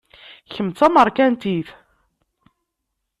Kemm d tameṛkantit.